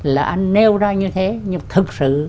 là anh nêu ra như thế nhưng thật sự